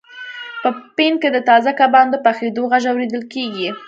په پین کې د تازه کبانو د پخیدو غږ اوریدل کیږي